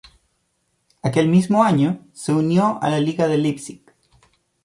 Aquel mismo año, se unió a la Liga de Leipzig.